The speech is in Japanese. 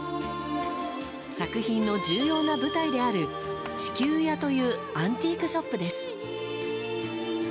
作品の重要な舞台である地球屋というアンティークショップです。